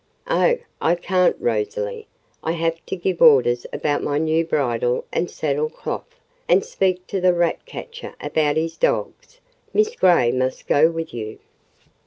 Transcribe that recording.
"Oh, I can't, Rosalie! I have to give orders about my new bridle and saddle cloth, and speak to the rat catcher about his dogs: Miss Grey must go with you."